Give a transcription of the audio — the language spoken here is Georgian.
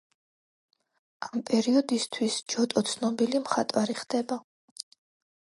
ამ პერიოდისათვის ჯოტო ცნობილი მხატვარი ხდება.